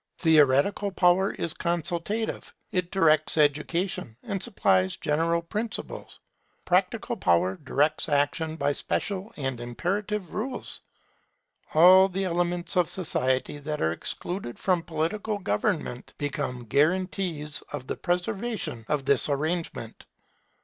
Theoretical power is consultative; it directs education, and supplies general principles. Practical power directs action by special and imperative rules. All the elements of society that are excluded from political government become guarantees for the preservation of this arrangement.